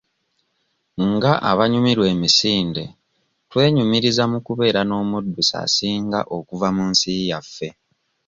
Nga abanyumirwa emisinde, twenyumiriza mu kubeera n'omuddusi asinga okuva mu nsi yaffe.